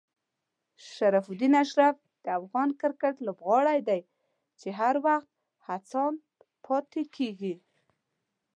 شرف الدین اشرف د افغان کرکټ لوبغاړی دی چې هر وخت هڅاند پاتې کېږي.